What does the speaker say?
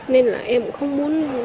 nên là em cũng không muốn